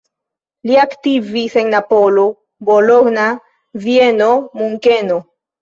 Li aktivis en Napolo, Bologna, Vieno, Munkeno.